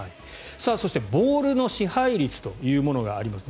そして、ボールの支配率というものがあります。